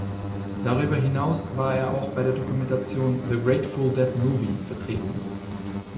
Darüber hinaus war er auch bei der Dokumentation The Grateful Dead Movie vertreten.